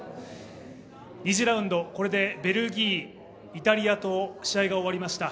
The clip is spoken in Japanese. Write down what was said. ２次ラウンド、これでベルギー、イタリアと試合が終わりました。